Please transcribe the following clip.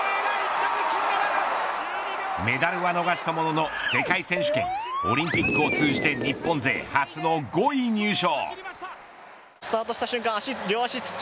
メダルは逃したものの世界選手権オリンピックを通じて日本勢初の５位入賞。